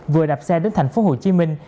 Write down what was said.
vừa đạp xe đến thành phố hồ chí minh